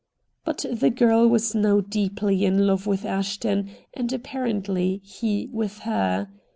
But the girl was now deeply in love with Ashton, and apparently he with her.